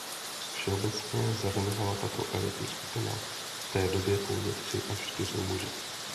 Všeobecně zahrnovala tato elitní skupina v té době pouze tři až čtyři muže.